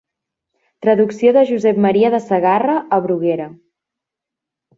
Traducció de Josep Maria de Sagarra a Bruguera.